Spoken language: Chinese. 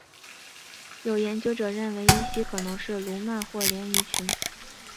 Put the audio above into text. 有研究者认为依西可能是鲈鳗或鲢鱼群。